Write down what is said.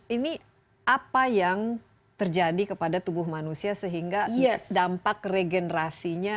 ini apa yang terjadi kepada tubuh manusia sehingga dampak regenerasinya